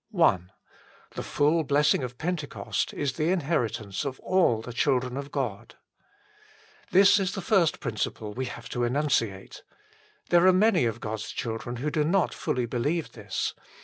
I The full blessing of Pentecost is the inheritance of all the children of God. This is the first principle we have to enun ciate. There are many of God s children who do not fully believe this.